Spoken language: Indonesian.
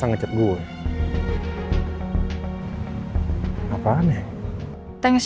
ini cada lam northwest